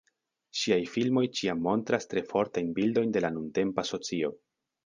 Ŝiaj filmoj ĉiam montras tre fortajn bildojn de la nuntempa socio.